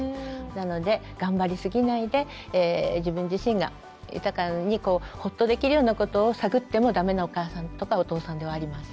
なので頑張りすぎないで自分自身が豊かにホッとできるようなことを探ってもダメなお母さんとかお父さんではありません。